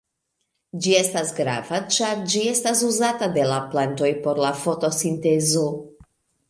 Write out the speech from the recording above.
Ĝi estas grava ĉar ĝi estas uzata de la plantoj por la fotosintezo.